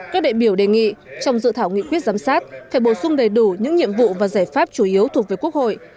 các đại biểu đề nghị trong dự thảo nghị quyết giám sát phải bổ sung đầy đủ những nhiệm vụ và giải pháp chủ yếu thuộc về quốc hội